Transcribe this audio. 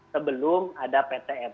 sebelum ada ptm